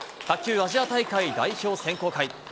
卓球アジア大会代表選考会。